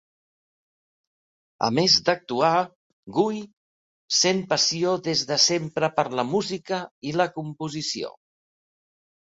A més d'actuar, Guy sent passió des de sempre per la música i la composició.